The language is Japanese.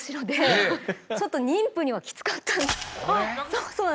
そうなんです。